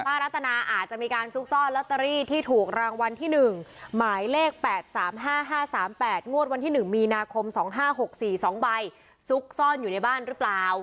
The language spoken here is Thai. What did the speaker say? รัตนาอาจจะมีการซุกซ่อนลอตเตอรี่ที่ถูกรางวัลที่๑หมายเลข๘๓๕๕๓๘งวดวันที่๑มีนาคม๒๕๖๔๒ใบซุกซ่อนอยู่ในบ้านหรือเปล่า